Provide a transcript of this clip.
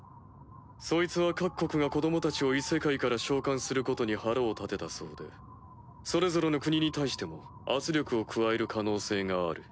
そいつは各国が子供たちを異世界から召喚することに腹を立てたそうでそれぞれの国に対しても圧力を加える可能性がある。